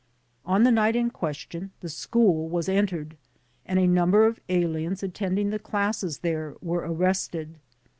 On the night in question the school was entered and a number of aliens attending the classes there were arrested.